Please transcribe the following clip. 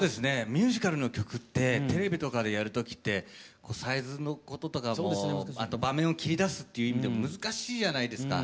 ミュージカルの曲ってテレビとかでやるときってサイズのこととかもあと場面を切り出すっていう意味でも難しいじゃないですか。